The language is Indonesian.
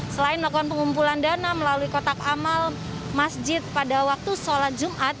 selain melakukan pengumpulan dana melalui kotak amal masjid pada waktu sholat jumat